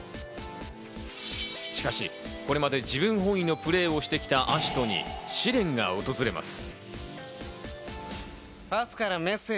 しかし、これまで自分本位のプレーをしてきた葦人に試練が訪れます。